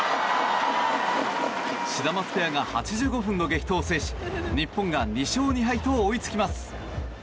シダマツペアが８５分の激闘を制し日本が２勝２敗と追いつきます。